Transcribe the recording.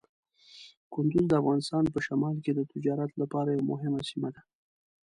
کندز د افغانستان په شمال کې د تجارت لپاره یوه مهمه سیمه ده.